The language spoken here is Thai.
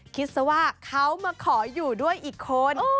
คิดซะว่าเขามาขออยู่ด้วยอีกคน